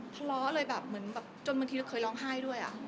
ทะเลาะเลยแบบจนบางทีเคยร้องไห้ด้วยอ่ะ